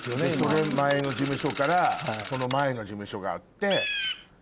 前の事務所からその前の事務所があって。